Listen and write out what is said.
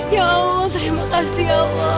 ya allah terima kasih allah